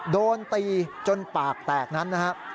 โดนตีจนปากแตกนั้นนะครับ